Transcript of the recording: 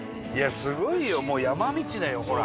すごいよもう山道だよほら。